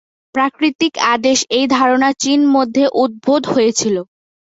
প্রাকৃতিক আদেশ এই ধারণা চীন মধ্যে উদ্ভূত হয়েছিল।